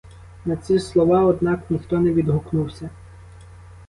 На ці слова, однак, ніхто не відгукнувся.